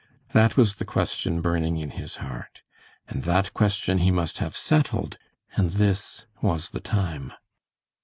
That was the question burning in his heart; and that question he must have settled, and this was the time.